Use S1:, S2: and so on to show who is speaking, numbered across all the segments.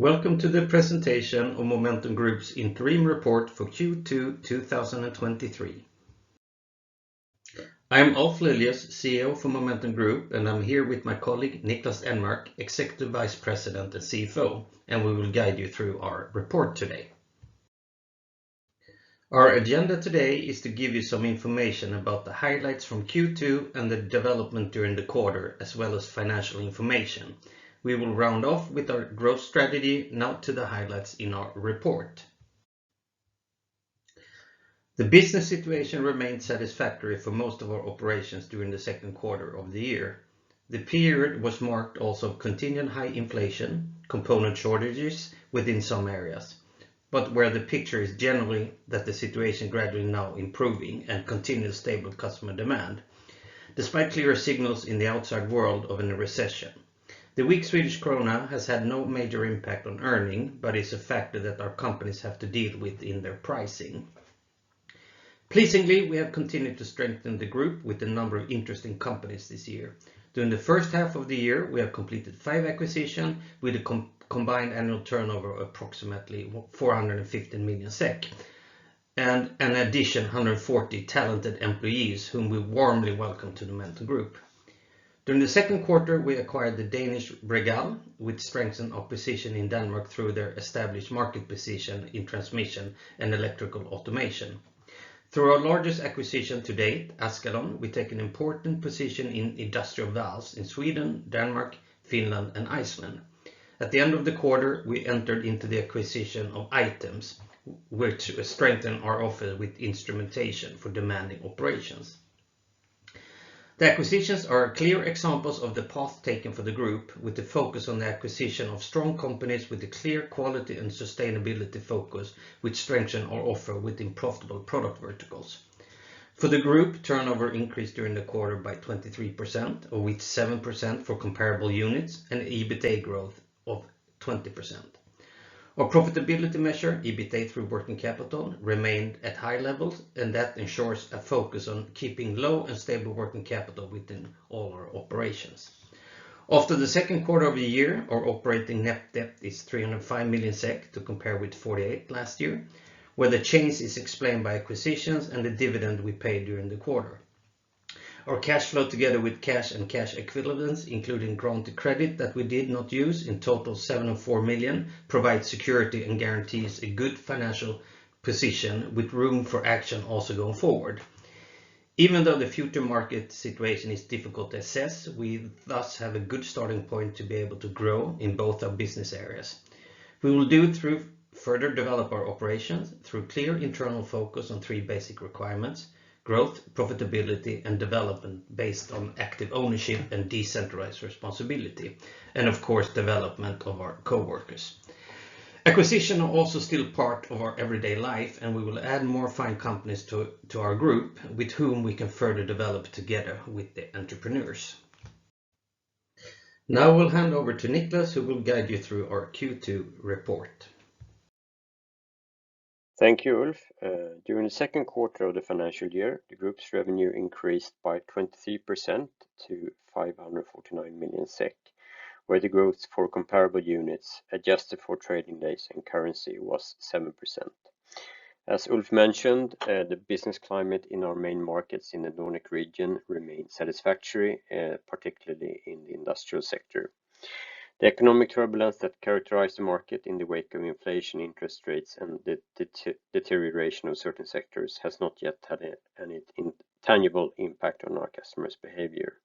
S1: Welcome to the presentation of Momentum Group's interim report for Q2 2023. I'm Ulf Lilius, CEO for Momentum Group, and I'm here with my colleague, Niklas Enmark, Executive Vice President and CFO, and we will guide you through our report today. Our agenda today is to give you some information about the highlights from Q2 and the development during the quarter, as well as financial information. We will round off with our growth strategy. Now to the highlights in our report. The business situation remained satisfactory for most of our operations during the second quarter of the year. The period was marked also continuing high inflation, component shortages within some areas, but where the picture is generally that the situation gradually now improving and continuous stable customer demand, despite clearer signals in the outside world of in a recession. The weak Swedish krona has had no major impact on earning, but is a factor that our companies have to deal with in their pricing. Pleasingly, we have continued to strengthen the group with a number of interesting companies this year. During the first half of the year, we have completed five acquisition with a combined annual turnover, approximately 415 million SEK, and an additional 140 talented employees, whom we warmly welcome to the Momentum Group. During the second quarter, we acquired the Danish Regal, which strengthened our position in Denmark through their established market position in transmission and electrical automation. Through our largest acquisition to date, Askalon, we take an important position in industrial valves in Sweden, Denmark, Finland, and Iceland. At the end of the quarter, we entered into the acquisition of Items, which strengthen our offer with instrumentation for demanding operations. The acquisitions are clear examples of the path taken for the group, with the focus on the acquisition of strong companies with a clear quality and sustainability focus, which strengthen our offer within profitable product verticals. For the group, turnover increased during the quarter by 23%, or with 7% for comparable units, and EBITA growth of 20%. Our profitability measure, EBITA through working capital, remained at high levels. That ensures a focus on keeping low and stable working capital within all our operations. After the second quarter of the year, our operating net debt is 305 million SEK to compare with 48 million last year, where the change is explained by acquisitions and the dividend we paid during the quarter. Our cash flow, together with cash and cash equivalents, including granted credit that we did not use, in total 704 million, provides security and guarantees a good financial position with room for action also going forward. Even though the future market situation is difficult to assess, we thus have a good starting point to be able to grow in both our business areas. We will do through further develop our operations through clear internal focus on three basic requirements: growth, profitability, and development based on active ownership and decentralized responsibility, and of course, development of our coworkers. Acquisition are also still part of our everyday life, and we will add more fine companies to our group with whom we can further develop together with the entrepreneurs. We'll hand over to Niklas, who will guide you through our Q2 report.
S2: Thank you, Ulf. During the second quarter of the financial year, the group's revenue increased by 23% to 549 million SEK, where the growth for comparable units, adjusted for trading days and currency, was 7%. As Ulf mentioned, the business climate in our main markets in the Nordic region remained satisfactory, particularly in the industrial sector. The economic turbulence that characterized the market in the wake of inflation, interest rates, and the deterioration of certain sectors has not yet had any tangible impact on our customers' behavior.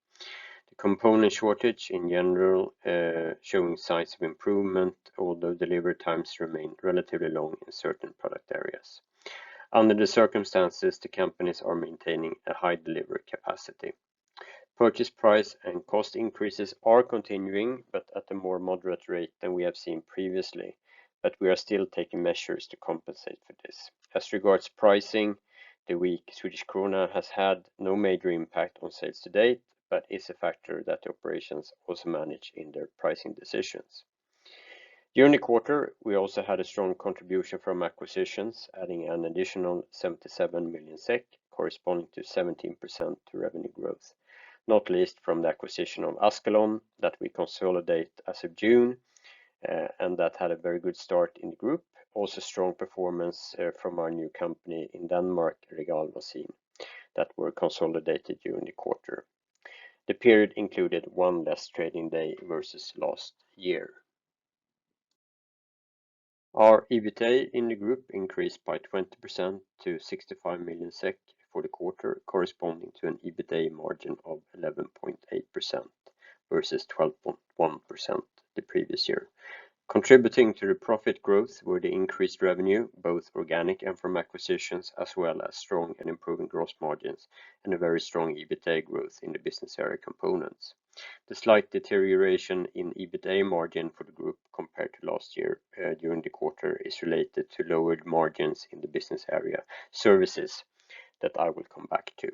S2: The component shortage in general, showing signs of improvement, although delivery times remain relatively long in certain product areas. Under the circumstances, the companies are maintaining a high delivery capacity. Purchase price and cost increases are continuing, but at a more moderate rate than we have seen previously, but we are still taking measures to compensate for this. As regards pricing, the weak Swedish krona has had no major impact on sales to date, but is a factor that the operations also manage in their pricing decisions. During the quarter, we also had a strong contribution from acquisitions, adding an additional 77 million SEK, corresponding to 17% to revenue growth, not least from the acquisition of Askalon, that we consolidate as of June, and that had a very good start in the group. Also, strong performance from our new company in Denmark, Regal A/S, that were consolidated during the quarter. The period included one less trading day versus last year. Our EBITA in the group increased by 20% to 65 million SEK for the quarter, corresponding to an EBITA margin of 11.8% versus 12.1% the previous year. Contributing to the profit growth were the increased revenue, both organic and from acquisitions, as well as strong and improving gross margins and a very strong EBITA growth in the business area Components. The slight deterioration in EBITA margin for the group compared to last year, during the quarter is related to lowered margins in the business area Services that I will come back to.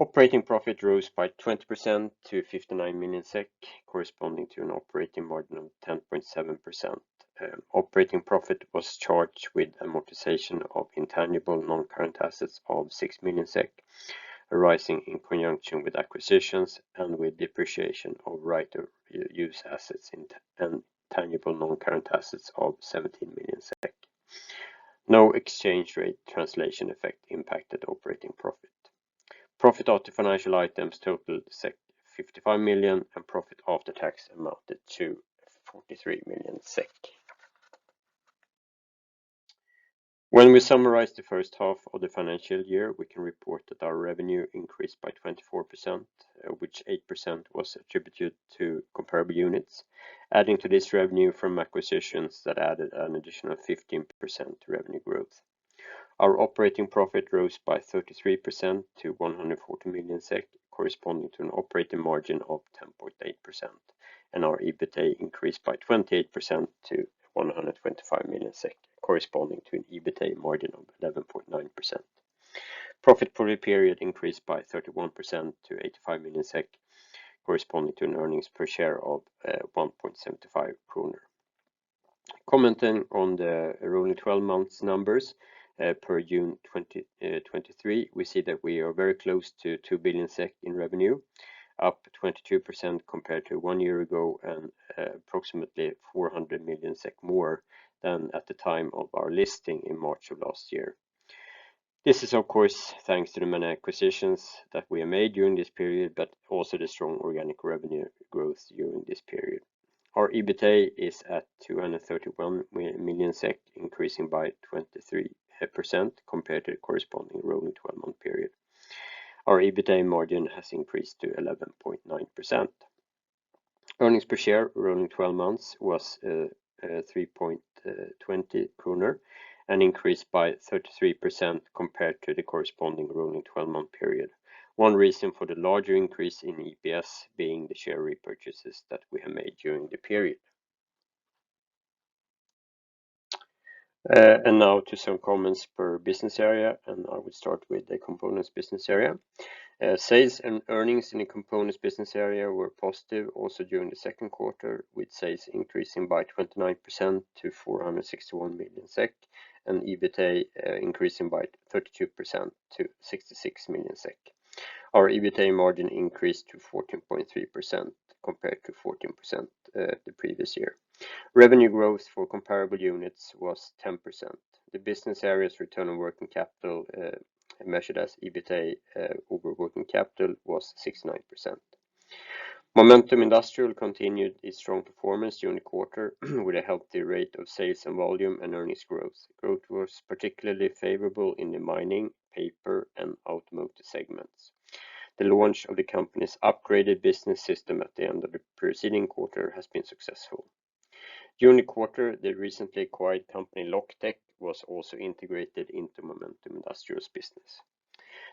S2: Operating profit rose by 20% to 59 million SEK, corresponding to an operating margin of 10.7%. Operating profit was charged with amortization of intangible non-current assets of 6 million SEK. arising in conjunction with acquisitions and with depreciation of right of use assets in and tangible non-current assets of 17 million SEK. No exchange rate translation effect impacted operating profit. Profit after financial items totaled 55 million, and profit after tax amounted to 43 million SEK. When we summarize the first half of the financial year, we can report that our revenue increased by 24%, which 8% was attributed to comparable units, adding to this revenue from acquisitions that added an additional 15% to revenue growth. Our operating profit rose by 33% to 140 million SEK, corresponding to an operating margin of 10.8%, and our EBITA increased by 28% to 125 million SEK, corresponding to an EBITA margin of 11.9%. Profit for the period increased by 31% to 85 million SEK, corresponding to an earnings per share of 1.75 kronor. Commenting on the rolling 12 months numbers, per June 2023, we see that we are very close to 2 billion SEK in revenue, up 22% compared to one year ago and approximately 400 million SEK more than at the time of our listing in March of last year. This is, of course, thanks to the many acquisitions that we have made during this period, but also the strong organic revenue growth during this period. Our EBITA is at 231 million SEK, increasing by 23% compared to the corresponding rolling 12-month period. Our EBITA margin has increased to 11.9%. Earnings per share, rolling 12 months was 3.20 kronor and increased by 33% compared to the corresponding rolling 12-month period. One reason for the larger increase in EPS being the share repurchases that we have made during the period. Now to some comments per business area, and I will start with the components business area. Sales and earnings in the components business area were positive also during the second quarter, with sales increasing by 29% to 461 million SEK and EBITA increasing by 32% to 66 million SEK. Our EBITA margin increased to 14.3% compared to 14% the previous year. Revenue growth for comparable units was 10%. The business area's return on working capital, measured as EBITA over working capital, was 69%. Momentum Industrial continued its strong performance during the quarter with a healthy rate of sales and volume and earnings growth. Growth was particularly favorable in the mining, paper, and automotive segments. The launch of the company's upgraded business system at the end of the preceding quarter has been successful. During the quarter, the recently acquired company, LocTech, was also integrated into Momentum Industrial's business.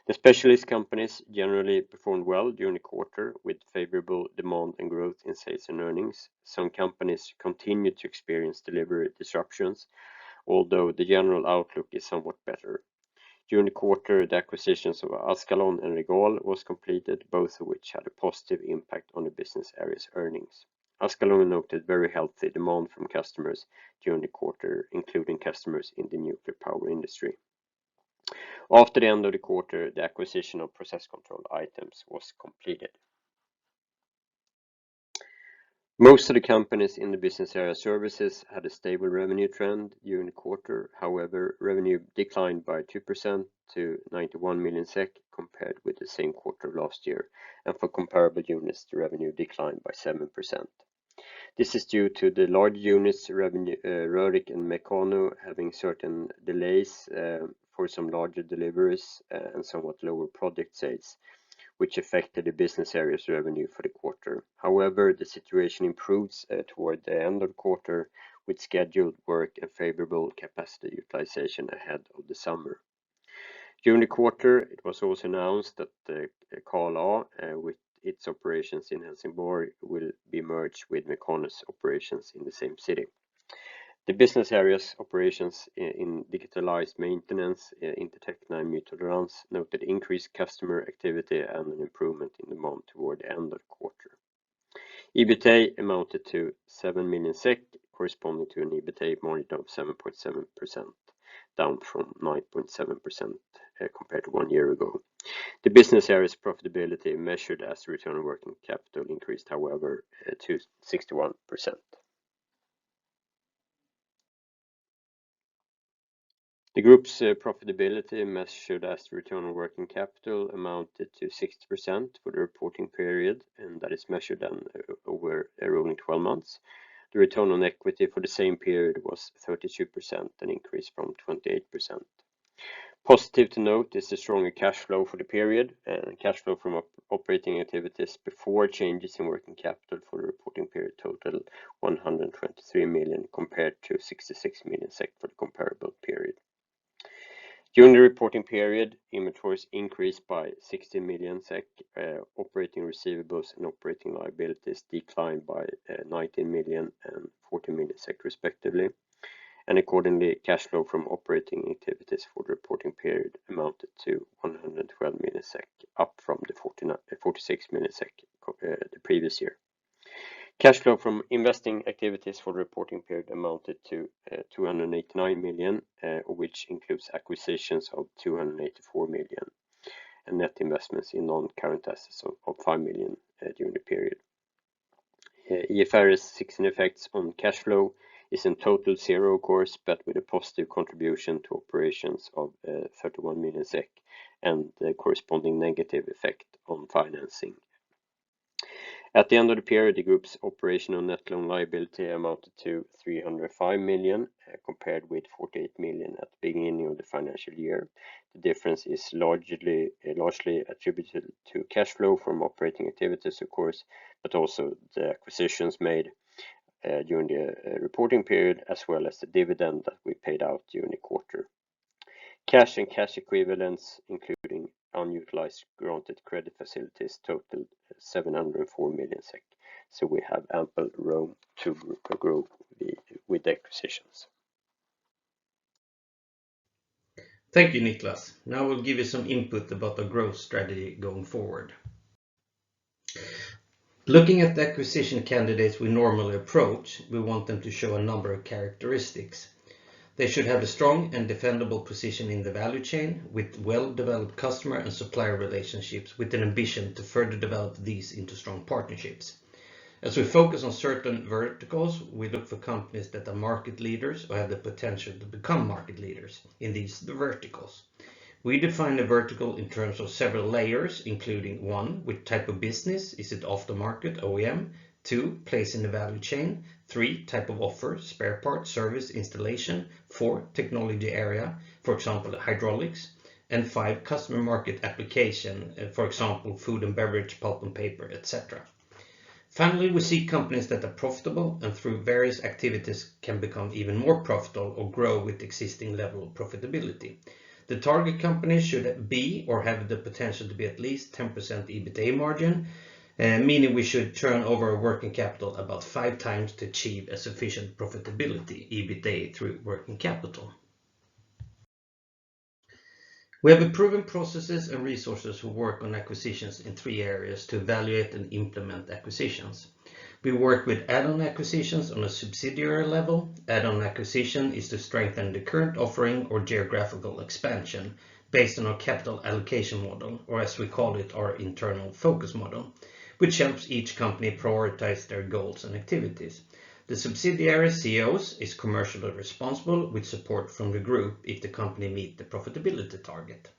S2: The specialist companies generally performed well during the quarter with favorable demand and growth in sales and earnings. Some companies continued to experience delivery disruptions, although the general outlook is somewhat better. During the quarter, the acquisitions of Askalon and Regal was completed, both of which had a positive impact on the business area's earnings. Askalon noted very healthy demand from customers during the quarter, including customers in the nuclear power industry. After the end of the quarter, the acquisition of Processkontroll Items was completed. Most of the companies in the business area services had a stable revenue trend during the quarter. Revenue declined by 2% to 91 million SEK, compared with the same quarter of last year, and for comparable units, the revenue declined by 7%. This is due to the large units, revenue, Rörick and Mekano, having certain delays for some larger deliveries and somewhat lower project sales, which affected the business area's revenue for the quarter. The situation improves toward the end of the quarter with scheduled work and favorable capacity utilization ahead of the summer. During the quarter, it was also announced that the Carl A, with its operations in Helsingborg, will be merged with Mekano's operations in the same city. The business area's operations in digitalized maintenance, Intertechna and Mytolerans, noted increased customer activity and an improvement in demand toward the end of the quarter. EBITA amounted to 7 million SEK, corresponding to an EBITA margin of 7.7%, down from 9.7% compared to one year ago. The business area's profitability, measured as return on working capital, increased, however, to 61%. The Group's profitability, measured as the return on working capital, amounted to 60% for the reporting period, and that is measured over a rolling 12 months. The return on equity for the same period was 32%, an increase from 28%. Positive to note is the stronger cash flow for the period, cash flow from operating activities before changes in working capital for the reporting period total 123 million, compared to 66 million for the comparable period. During the reporting period, inventories increased by 60 million SEK, operating receivables and operating liabilities declined by 19 million and 40 million SEK respectively. Accordingly, cash flow from operating activities for the reporting period amounted to 112 million, up from the SEK 46 million the previous year. Cash flow from investing activities for the reporting period amounted to 289 million, which includes acquisitions of 284 million, and net investments in non-current assets of 5 million during the period. IFRS 16 effects on cash flow is in total zero, of course, but with a positive contribution to operations of 31 million SEK and the corresponding negative effect on financing. At the end of the period, the group's operational net loan liability amounted to 305 million, compared with 48 million at the beginning of the financial year. The difference is largely attributed to cash flow from operating activities, of course, but also the acquisitions made during the reporting period, as well as the dividend that we paid out during the quarter. Cash and cash equivalents, including unutilized granted credit facilities, totaled 704 million SEK. We have ample room to grow with acquisitions.
S1: Thank you, Niklas. We'll give you some input about the growth strategy going forward. Looking at the acquisition candidates we normally approach, we want them to show a number of characteristics. They should have a strong and defendable position in the value chain, with well-developed customer and supplier relationships, with an ambition to further develop these into strong partnerships. As we focus on certain verticals, we look for companies that are market leaders or have the potential to become market leaders in these verticals. We define a vertical in terms of several layers, including, one, which type of business is it off the market, OEM? Two, place in the value chain. Three, type of offer, spare parts, service, installation. Four, technology area, for example, hydraulics. Five, customer market application, for example, food and beverage, pulp and paper, et cetera. Finally, we see companies that are profitable and through various activities can become even more profitable or grow with existing level of profitability. The target company should be or have the potential to be at least 10% EBITA margin, meaning we should turn over working capital about five times to achieve a sufficient profitability EBITA through working capital. We have proven processes and resources who work on acquisitions in three areas to evaluate and implement acquisitions. We work with add-on acquisitions on a subsidiary level. Add-on acquisition is to strengthen the current offering or geographical expansion based on our capital allocation model, or as we call it, our internal focus model, which helps each company prioritize their goals and activities. The subsidiary CEOs is commercially responsible, with support from the Group if the company meet the profitability target.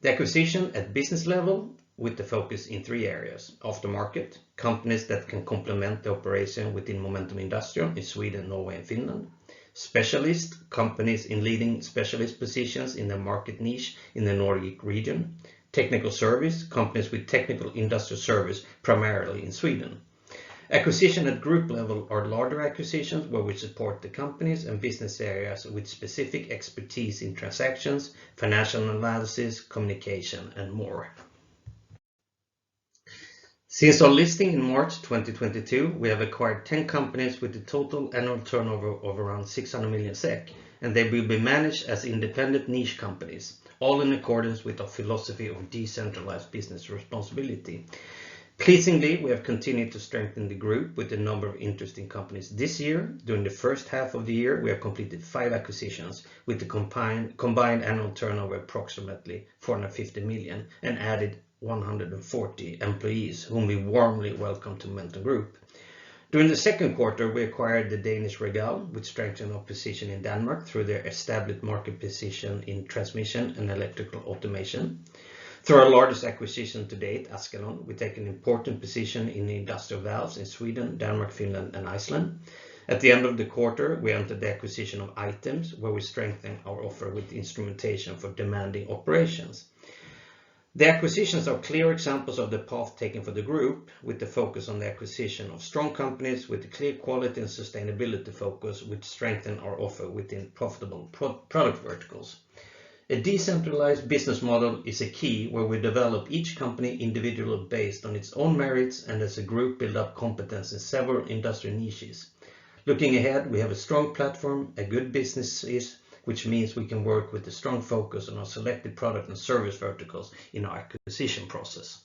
S1: The acquisition at business level, with the focus in three areas: Aftermarket, companies that can complement the operation within Momentum Industrial in Sweden, Norway, and Finland. Specialist, companies in leading specialist positions in the market niche in the Nordic region. Technical Service, companies with technical industrial service, primarily in Sweden. Acquisition at Group level are larger acquisitions, where we support the companies and business areas with specific expertise in transactions, financial analysis, communication, and more. Since our listing in March 2022, we have acquired 10 companies with a total annual turnover of around 600 million SEK, and they will be managed as independent niche companies, all in accordance with our philosophy of decentralized business responsibility. Pleasingly, we have continued to strengthen the Group with a number of interesting companies this year. During the first half of the year, we have completed five acquisitions with the combined annual turnover, approximately 450 million, and added 140 employees, whom we warmly welcome to Momentum Group. During the second quarter, we acquired the Danish Regal, which strengthened our position in Denmark through their established market position in transmission and electrical automation. Through our largest acquisition to date, Askalon, we take an important position in the industrial valves in Sweden, Denmark, Finland, and Iceland. At the end of the quarter, we entered the acquisition of Items where we strengthen our offer with instrumentation for demanding operations. The acquisitions are clear examples of the path taken for the group, with the focus on the acquisition of strong companies with a clear quality and sustainability focus, which strengthen our offer within profitable product verticals. A decentralized business model is a key where we develop each company individually based on its own merits and as a group, build up competence in several industrial niches. Looking ahead, we have a strong platform, a good businesses, which means we can work with a strong focus on our selected product and service verticals in our acquisition process.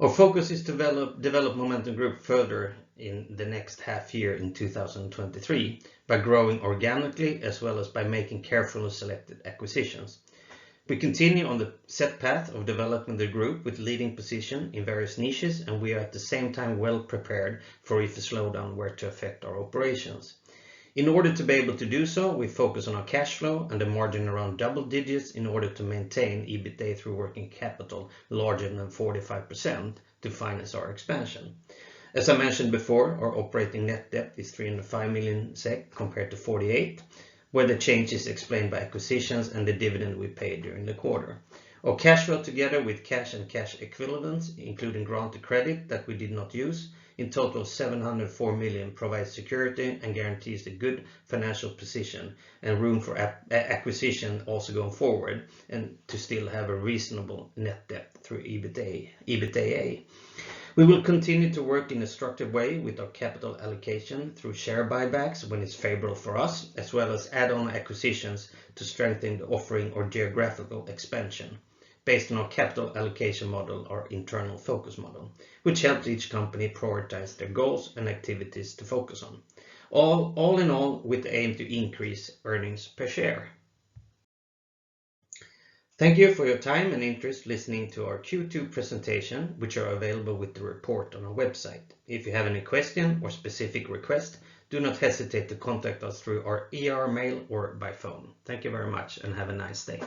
S1: Our focus is develop Momentum Group further in the next half year in 2023 by growing organically as well as by making carefully selected acquisitions. We continue on the set path of developing the group with leading position in various niches. We are at the same time well prepared for if a slowdown were to affect our operations. In order to be able to do so, we focus on our cash flow and the margin around double digits in order to maintain EBITA through working capital larger than 45% to finance our expansion. I mentioned before, our operating net debt is 305 million SEK compared to 48 million, where the change is explained by acquisitions and the dividend we paid during the quarter. Our cash flow, together with cash and cash equivalents, including granted credit that we did not use, in total 704 million provides security and guarantees a good financial position and room for acquisition also going forward, and to still have a reasonable net debt through EBITA, EBITDA. We will continue to work in a structured way with our capital allocation through share buybacks when it's favorable for us, as well as add-on acquisitions to strengthen the offering or geographical expansion based on our capital allocation model, or internal focus model, which helps each company prioritize their goals and activities to focus on. All in all, with aim to increase earnings per share. Thank you for your time and interest listening to our Q2 presentation, which are available with the report on our website. If you have any question or specific request, do not hesitate to contact us through our IR mail or by phone. Thank you very much, and have a nice day.